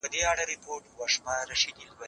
زه پرون سبا ته فکر وکړ،